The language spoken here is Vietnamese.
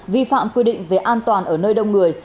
vi phạm quy định về an toàn ở nơi đông người